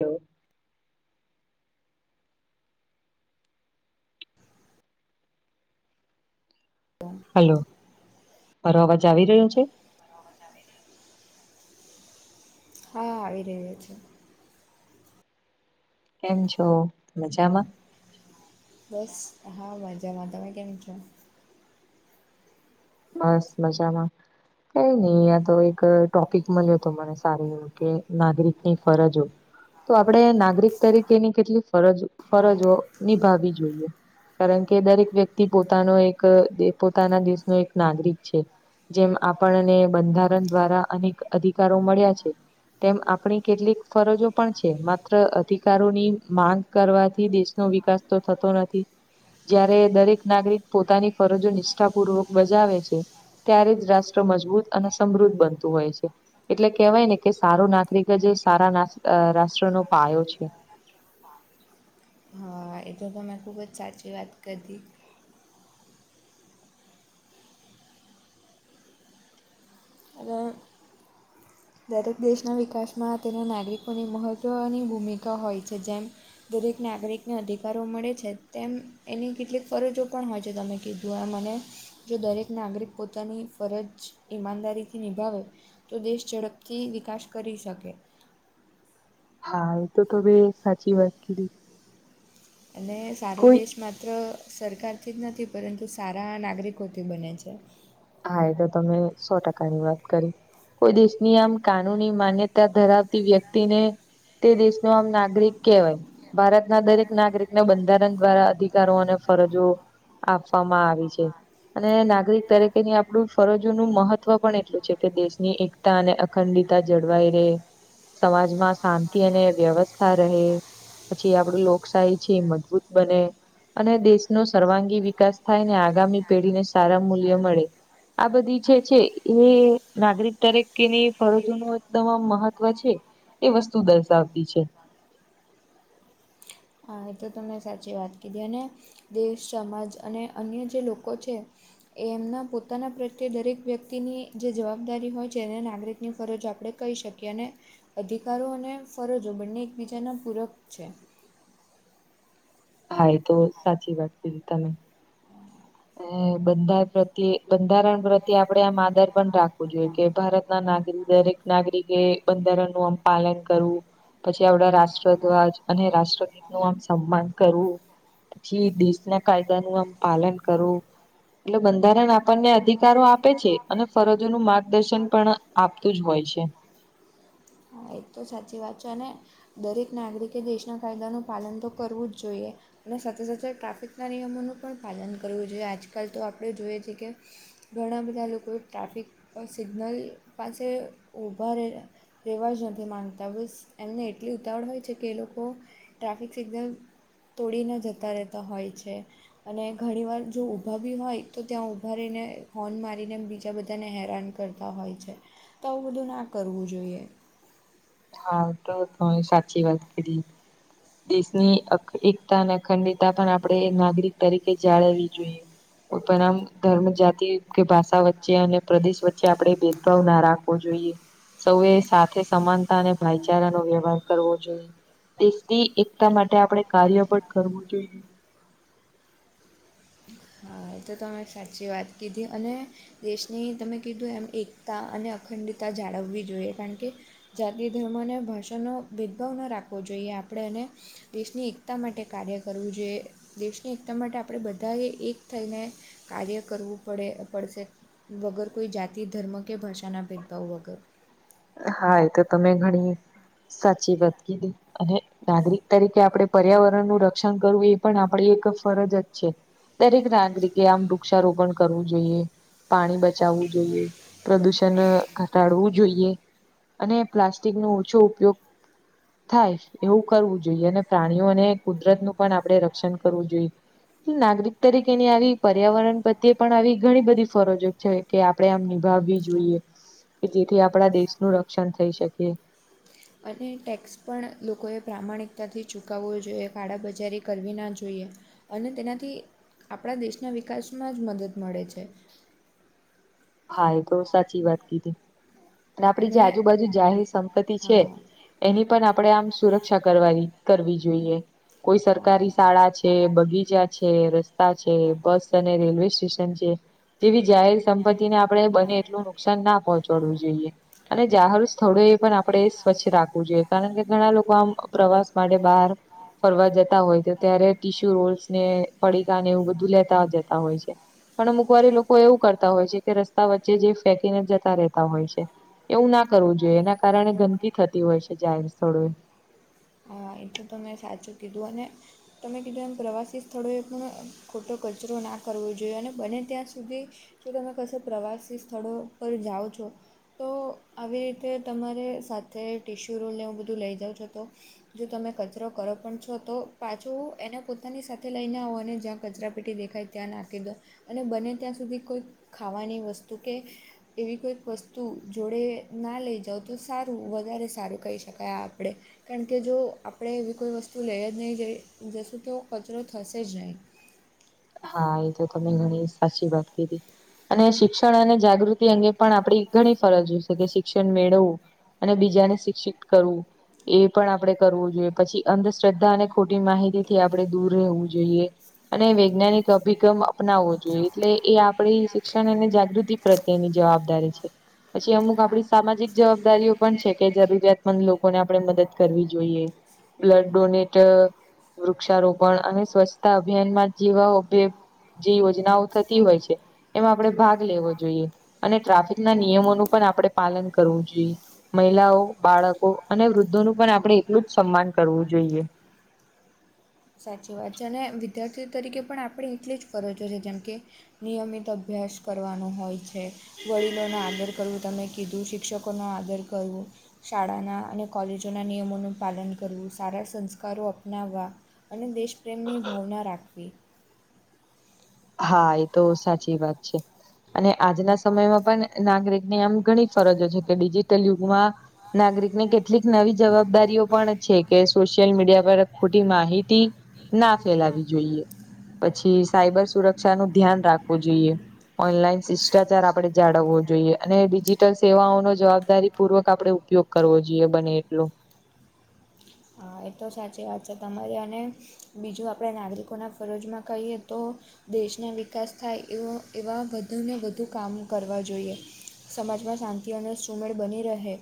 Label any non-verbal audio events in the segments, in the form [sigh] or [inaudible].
Hello. હ [unintelligible] hello મારો અવાજ આવી રહ્યો છે? હા આવી રહ્યો છે. કેમ છો? મજામાં બસ હા મજામાં તમે કેમ છો? બસ મજામાં કંઈ નહીં, અહીંયા તો એક ટોપિક મળ્યો હતો મને સારું એવું કંઈ નાગરિકની ફરજો તો આપડે નાગરિક તરીકેની કેટલી ફરજ હા ફરજો નિભાવી જોઈએ કારણ કે દરેક વ્યક્તિ પોતાનો એક પોતાના દેશનો એક નાગરિક છે જેમ આપણને બંધારણ દ્વારા અનેક અધિકારો મળ્યા છે. તેમ આપણી કેટલીક ફરજો પણ છે માત્ર અધિકારોની માંગ કરવાથી દેશનો વિકાસ તો થતો નથી. જ્યારે દરેક નાગરિક પોતાની ફરજો નિષ્ઠા પૂર્વક બજાવે છે ત્યારે જ રાષ્ટ્ર મજબૂત અને સમૃદ્ધ બનતું હોય છે. એટલે કેહેવાય ને કે સારો નાગરિક જ સારા રાષ્ટ્રનો પાયો છે. હા એ તો તમે ખૂબ જ સાચી વાત કરતી અને દરેક દેશના વિકાસમાં તેના નાગરિકોની મહત્ત્વની ભૂમિકા હોય છે જેમ દરેક નાગરિકને અધિકારો મળે છે તેમ એની કેટલીક ફરજો પણ હોય છે તમે કીધું એ મને જો દરેક નાગરિક પોતાની ફરજ ઈમાનદારીથી નિભાવે તો દેશ ઝડપ થી વિકાસ કરી શકે. હા એ તો તમે સાચી વાત કીધી અને સારો કોઈ દેશ માત્ર સરકારથી જ નથી પરંતુ સારા નાગરિકોથી બને છે. હા એ તો તમે સો ટકા ની વાત કરી કોઈ દેશની આમ કાનૂની માન્ય ધરાવતી વ્યક્તિને તે દેશ ના આમ ના નાગરિક કહેવાય ભારત ના દરેક નાગરિકને બંધારણ દ્વારા અધિક કારો અને ફરજો આપવામાં આવી છે અને નાગરિક તરીકે કે આપણું ફરજોનું મહત્વ પણ એટલું છે કે દેશની એકતા અને અખંડતા જળવાઈ રહેે સમાજમાં શાંતિ અને વ્યવસ્થા રહે પછી આપડી લોકશાહી છે મજબૂત બને અને દેશનો સર્વાંગી વિકાસ થાય ને આગામી પેઢી ને સારા મૂલ્ય મળે આ બધી જે છે એ નાગરિક તરીકેની ફરજો નું એકદમ મહત્વ છે. એ વસ્તુ દર્શાવતી છે. હા એ તો તમને સાચી વાત કીધી અને દેશ સમાજ અને અન્ય જે લોકો છે એ એમના પોતાના પ્રત્યે દરેક વ્યક્તિની જે જવાબદારી હોય છેને નાગરિકની ફરજ આપણે કહી શકીએ અને અધિકારો અને ફરજો બંને એકબીજાના પૂરક છે. હા એ તો સાચી વાત કીધી તમે હમ બંધાર પ્રત્યે બંધારણ પ્રત્ય આપણેે આમ આદર પણ રાખવું જોઈએ કે ભારતના નાગરિક દરેક નાગરિકે બંધારણ નુંમ પાલન કરવું પછી આપડા રાષ્ટ્રધ્વજ અને રાષ્ટ્રગીત નું આમ સન્માન કરવું પછી દેશ ના કાયદા નું આમ પાલન કરું એટલે બંધારણ આપણને અધિકારો આપે છે અને ફરજોનું માર્ગદર્શન પણ આપતું જ હોય છે. એક તો સાચી વાત છે અને દરેક નાગરિકે દેશના કાયદાનું પાલન તો કરવું જ જોઈએ‌. અને સાથે સાથે ટ્રાફિકના નિયમોનું પણ પાલન કરવું જોઈએ આજકાલ તો આપણે જોઈએ છીએ કે ઘણા બધા લોકો ટ્રાફિક સિગ્નલ પાસે ઊભા રહેલા રિવાઝન જે માનતા બસ એમને એટલી ઉતાવળ હોય છે કે એ લોકો ટ્રાફિક સિગ્નલ તોડીને જતા રહેતા હોય છે. અને ઘણી વાર જો ઊભા બી હોય તો ત્યાં ઉઊભા રહીને હોર્ન મારીને બીજા બધાને હેરાન કર હોય છે તો આવું બધું ના કરવું જોઈએ હા તો સાચી વાત કરી દેશની એકતા અને અખંડતા પણ આપણે નાગરિક તરીકે જાળવવી જોઈએ પણમ ધર્મ જાતિ કે ભાષા વચ્ચે અને પ્રદેશ વચ્ચે આપણે ભેદભાવ ના જોઈ સૌએ સાથે સમાનતા અને ભાઈચારાનો વ્યવહાર કરવો જોઈએ. દેશથી એકતા માટે આપણે કાર્ય પણળ કરવું જોઈએ હ એ તો તમે સાચી વાત કીધી અને દેશને તમે કીધું એમ એકતા અને અખંડતા જાળવવી જોઈએ કારણ કે જાતિ ધર્મને ભાષાનો ભેદભાવ ન રાખવો જોઈએ આપણે એને દેશની એકતા માટે કાર્ય કરવું જોઈએ દેશની એકતા માટે આપણે બધાએ એક થઈને કાર્ય કરવું પડે પડશે. વગર કોઈ જાતિ ધર્મ કે ભાષાના ભેદભાવ વગર હા એ તો તમે ઘણી સાચી વાત કીધી અને નાગરિક તરીકે આપણે પર્યાવરણનું રક્ષણ કરવું એ પણ આપણી એક ફરજ જ છે. દરેક નાગરિકે આમ વૃક્ષારોપણ કરવું જોઈએ. પાણી બચાવવું જોઈએ પ્રદુષણ ઘટાડવું જોઈએ. અને પ્લાસ્ટિક નો ઓછો ઉપયોગ થાય એવું કરવું જોઈએ અને પ્રાણીઓને કુદરત નું પણ આપણે રક્ષણ કરવું જોઈએ. નાગરિક તરીકેની આવી પર્યાવરણ પ્રત્યે પણ આવી ઘણી બધી ફરજો છે. કે આપણે આમ નિભાવવી જોઈએ કે જેથી આપણા દેશનું રક્ષણ થઈ શકી. અને ટેક્સ પણ લોકોએ પ્રામાણિકતાથી ચૂકવવો જોઈએ કાળાબજારી કરવી ના જોઈએ. અને તેનાથી આપણા દેશના વિકાસમાં જ મદદ મળે છે હા એ તો સાચી વાત કીધી અને આપડી જે આજુબાજુ જાહેર સંપત્તિ છે. હા એની પણ આપણેે આમ સુરક્ષા કરવા કરવી જોઈએ કોઈ હા સરકારી શાળા છે બગીચા છે રસ્તા છે બસ અને રેલવે સ્ટેશન છે જેવી જાહેર સંપત્તિ ને આપડે બને એટલું નુ નુકસાન ના પહોંચાડવું જોઈએ. અને જાહર સ્થળો એ પણ આપણે સ્વચ્છ રાખવું જોઈએ કારણ કે ઘણા લોકો આમ પ્રવાસ માટે બહાર ફરવા જતા હોય છે ત્યારે ટીશ્યુ રોલ્સ ને પડીકા ને એવું બધું લેતા જતા હોય છે પણ અમુકવારી લોકો એવું કરતા હોય છે કે રસ્તા વચ્ચે જે ફેંકીને જતા રહેતા હોય છે એવું ના કરવું જોઈએ એના કારણે ગંદકી થતી હોય છે જાહેર સ્થોળોએ હા એ તો ત મેં સાચું કીધું અને તમે કીધું એમ પ્રવાસી સ્થળોએ પણ ખોટો કચરો ના કરવો જોઈએ અને બને ત્યાં સુધી કે તમે કશ પ્રવાસી સ્થળો પર જાઓ છો. તો આવી રીતે તમારે સાથે ટિશ્યુ રોલને એવું બધું લઈ જાઉં છો તો જો તમે કચરો કરો પણ છો તો પાછું એને પોતાની સાથે લઈને આવ અને જ્યાં કચરા પેટી દેખાય ત્યાં નાખી દો અને બને ત્યાં સુધી કોઈ ખાવાની વસ્તુ કે એવી કોઈક વસ્તુ જોડે ના લઈ જાાવ તો સારું વધારે સારું કહી શકાય આપણે કારણ કે જો આપણે એવી કોઈ વસ્તુ લઈએ જ નહીં જઈ જશું તો કચરો થશે જ નહીં હા એ તો તમે ઘણી સાચી વાત કીધી. અને શિક્ષણ અને જાગૃતિ અંગે પણ આપડી ઘણી ફરજ હોશે કે શિક્ષણ મેળવવું અને બીજાને શિક્ષિત કરવું. એ પણ આપણે કરવું જોઈએ પછી અંધશ્રદ્ધા અને ખોટી માહિતી થી આપણે દૂર રહેવું જોઈએ અને વૈજ્ઞાનિક અભિગમ અપનાવવો જોઈએ એટલે એ આપણી શિક્ષણ અને જાગૃતિ પ્રત્યેની જવાબદારી છે પછી અમુક આપ હા સામાજિક જવાબદારીઓ પણ છે કે જરૂરિયાતમંદ લોકોને આપણે મદદ કરવી જોઈએ બ્લડ ડોનેટ વૃક્ષારોપણ અને સ્વચ્છતા અભિયાનમાં જેવા જે યોજનાઓ થતી હોય છે. એમાં આપણે ભાગ લેવો જોઈએ અને ટ્રાફિક ના નિયમોનું પણ આપણે પાલન કરવું જોઈએ મહિલાઓ, બાળકો અને વૃદ્ધોનું પણ આપણે એટલું જ સન્માન કરવું જોઈએ સાચી વાત છે અને વિદ્યાર્થી તરીકે પણ આપણે એટલી જ ફરજો છે જેમ કે નિયમિત અભ્યાસ કરવાનો હોય છે. વડીલો નો આદર કરવું તમે કીધું શિક્ષકો નો આદર કરવો શાળાના અને કોલેજોના નિયમોનું પાલન કરવું સારા સંસ્કારો અપનાવવા અને દેશપ્રેમની ભાવના રાખવી. હા એ તો સાચી વાત છે. અને આજના સમયમાં પણ નાગરિક ની આમ ઘણી ફરજો છે કે ડિજિટલ યુગમાં નાગરિક ને કેટલીક નવી જવાબદારીઓ પણ છે. કે સોશિયલ મીડિયા પર ખોટી માહિતી ના ફેલાવી જોઈએ. પછી સાયબર સુરક્ષા નું ધ્યાન રાખવું જોઈએ ઓનલાઈન શિષ્ટાચાર આપણે જાળવવો જોઈએ અને ડિજીિટલ સેવાઓનો જવાબદારી પૂર્વક આપણે ઉપયોગ કરવો જોઈએ બને એટલો હા એ તો સાચી વાત છે તમારે અને બીજું આપણે નાગરિકોના ફરજમાં કહીએ તો દેશના વિકાસ થાય એવો એવા વધુને વધુ કામ કરવા જોઈએ. સમાજમાં શાંતિ અને સુમેળ બની રહે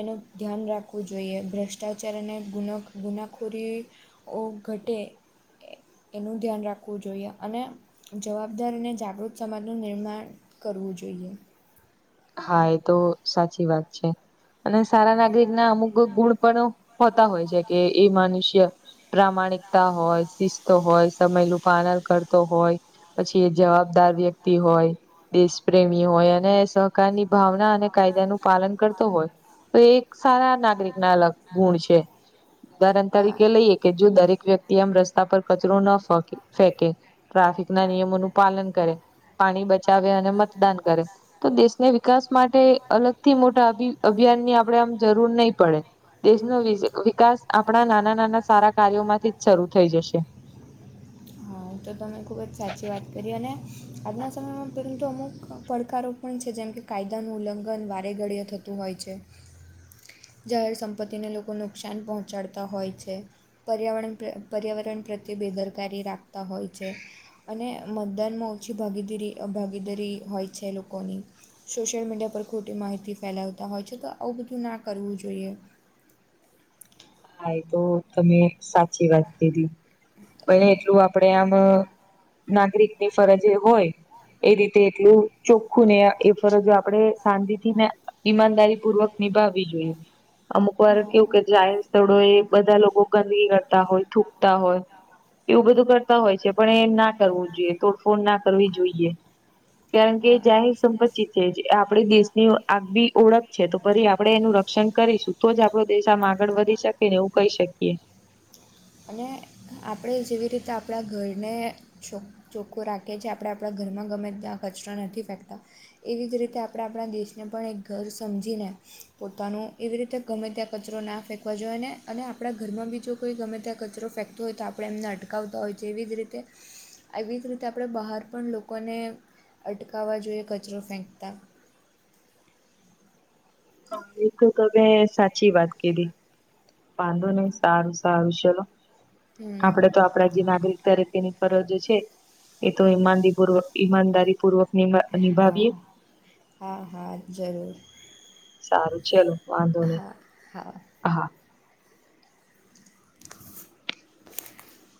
એનું ધ્યાન રાખવું જોઈએ ભ્રષ્ટાચાર અને ગુનો ગુનાખોરીઓ ઘટે એનું ધ્યાન રાખવું જોઈએ અને જવાબદાર અને જાગૃત સમાજનું નિર્માણ કરવું જોઈએ હા એ તો સાચી વાત છે અને સારા નાગરિક ના અમુક ગુણ પણ હોતા હોય છે કે એ મનુષ્ય પ્રામાણિકતા હોય, સીસ્ત હોય, સમયલું પાનન કરતો હોય, પછી એ જવાબદાર વ્યક્તિ હોય, દેશ પ્રેમી હોય અને પ્રકારની ભાવના અને કાયદા નું પાલન કરતો હોય તો એ એક સારા નાગરિક ના અલગ ગુણ છે, ઉદાહરણ હા. તરીકે હા લઈએ કે જો દરેક વ્યક્ તી એમ રસ્તા પર કચરો ન ફક ફેકે ટ્રાફિક ના નિયમોનું પાલન કરે પાણી બચાવે અને મતદાન કરે તો દેશ વિકાસ માટે અલગથી મોટા અભી અભિયાન ની આપડે આમ જરૂર નહી પડે. દેશનો વી વિકાસ આપણા નાના નાના સારા કાર્યોમાંથી જ શરૂ થઈ જશે. હા તો તમે ખૂબ જ સાચી વાત કરી અને આજના સમયમાં પહેલું તો અમુક પડકારો પણ છે જેમ કે કાયદાનું ઉલ્લંઘન વારે ઘડીએ થતું હોય છે. [inaudible] જાહેર સંપત્તિને લોકો નુકસાન પહોંચાડતા હોય છે. પર્યાવરણ પર્યાવરણ પ્રત્યે બેદરકારી રાખતા હોય છે. અને મતદાનમાં ઓછી ભાગીદીરી ભાગીદારી હોય છે લોકોની. સોશિયલ મીડિયા પર ખોટી માહિતી ફેલાવતા હોય છે તો આવું બધું ના કરવું જોઈએ. હા એ તો તમે સાચી વાત કધી પણ એટલું આ પડે આમ નાગરિકની ફરજ એ હોય એ રીતે એટલું ચોખ્ખું ને એ ફરજો આપડે શાંતિ થી ને ઈમાનદારી પૂર્વક નિભાવવી જોઈએ અમુક વાર હા કેવું કે જાહેર સ્થડો એ બધા લોકો ગંદગી કરતા હોય થૂકતા હોય એવું બધું કરતા હોય છે પણ એ ના કરવું જોઈએ તોડફોડ ના કરવી જોઈએ કારણ કે હા જાહેર સંપત્તિ છે આપડી દેશની આગવી ઓળખ છે તો ફરી આપડે એનું ર ક્ષણ કરીશું તો જ આપડો દેશ આમ આગળ વધી શકે ને એવું કહી શકીએ. અને આપણે જેવી રીતે આપણા ઘરને છ ચોખ્ખો રાખએ છીએ આપણે આપણા ઘરમાં ગમે ત્યાં કચરા નથી ફેંકતા એવી જ રીતે આપણે આપણા દેશને પણ એક ઘર સમજીને પોતાનું એવી રીતે ગમે ત્યાં કચરો ના ફેંકવા જોઈએ ને અને આપણા ઘરમાં બી જો કોઈ ગમે ત્યાં કચરો ફેંક તુ હોય તો આપણે એમને અટકાવતો હોય છે એવી જ રીતે આવી જ રીતે આપણે બહાર પણ લોકોને અટકાવવા જોઈએ કચરો ફેંકતા એ તો તમે સાચી વાત કીધી વાંધો નહી સારું સારું છેલો હમ આપડે તો આપડા જે નાગરિક તરીકે ની ફરજ છે એ તો ઈમાનદી પૂર્વ ઈમાનદારી પૂર્વકનિમા અનિભાવીએ હા હા હા જરૂર સારું ચાલ વાંધો નહી હા [unintelligible]